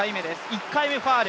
１回目、ファウル。